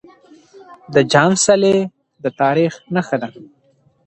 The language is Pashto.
د جام څلی د تاريخ نښه ده.